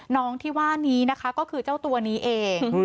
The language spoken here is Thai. น้องที่ว่านี้นะคะก็คือเจ้าตัวนี้เอง